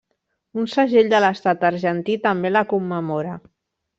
Un segell de l'estat argentí també la commemora.